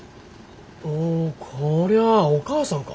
おこりゃあお母さんか？